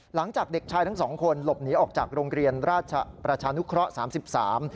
หลังจากเด็กชายทั้งสองคนหลบหนีออกจากโรงเรียนราชประชานุเคราะห์สามสิบสาม